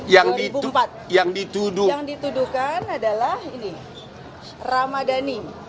yang dituduhkan adalah ini ramadhani